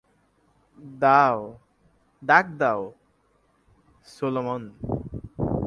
দাগ দাও, সলোমন।